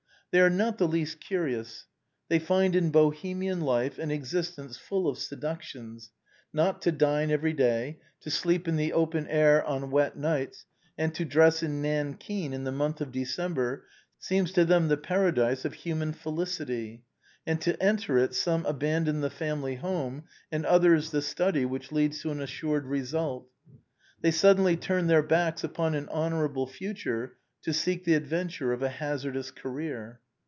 They are not the least curious. They find in Bohemian life an existence full of seductions, not to dine every day, to sleep in the open air on wet nights, and to dress in nankeen in the month of December seems to them the paradise of human felicit}', and to enter it some abandon the family home, and others the study which leads to an assured result. They suddenly turn their backs upon an honorable future to seek the adventures of a hazardous career.